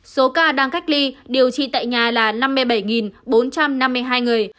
số ca đang cách ly điều trị tại nhà là năm mươi bảy bốn trăm năm mươi hai người